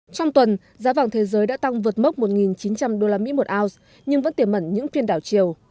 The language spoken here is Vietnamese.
trong tuần giá vàng thế giới đã tăng vượt mốc một chín trăm linh usd một ounce nhưng vẫn tiềm mẩn những phiên đảo chiều